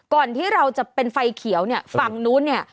ก่อนที่เราจะเป็นไฟเขียวเนี่ยฝั่งนู้นเนี่ย